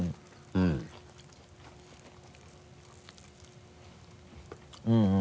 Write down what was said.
うんうん